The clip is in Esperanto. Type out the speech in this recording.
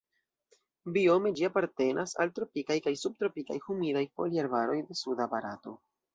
Biome ĝi apartenas al tropikaj kaj subtropikaj humidaj foliarbaroj de suda Barato.